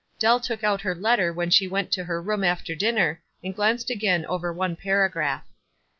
Dell took out her letter when she went to her room after dinner, and glanced again over one paragraph.